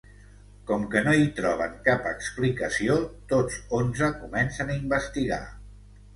Com que no hi troben cap explicació, tots onze comencen a investigar.